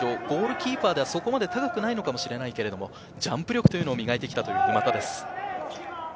ゴールキーパーではそこまで高くないかもしれないけれど、ジャンプ力を磨いてきたという沼田です。